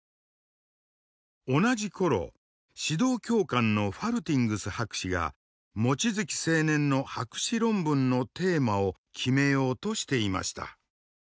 同じ頃指導教官のファルティングス博士が望月青年の博士論文のテーマを決めようとしていました。